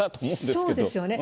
そうですよね。